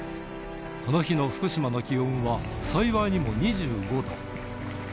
この日の福島の気温は幸いにも２５度。